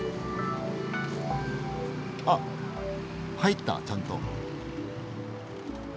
あっ入ったちゃんと。